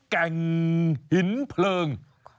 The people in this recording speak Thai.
แก่งหินเพลิง